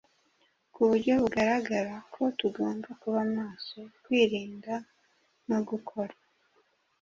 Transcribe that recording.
ku buryo bugararagara ko tugomba kuba maso, kwirinda no gukora